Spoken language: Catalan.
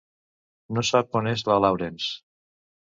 No sap on és la Laurence.